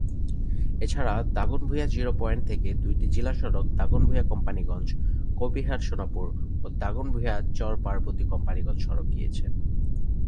এছাড়া Dagonbhuiyan zero point থেকে দুইটি জিলা সড়ক দাগনভূঞা-কোম্পানিগঞ্জ-কবিরহাট-সোনাপুর ও দাগনভূঞা-চরপার্বতী-কোম্পানিগঞ্জ সড়ক গিয়েছে।